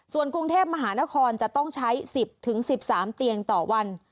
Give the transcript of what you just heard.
ส่วนกรุงเทพมหานครจะต้องใช้๑๐๑๓เตียงต่อวัน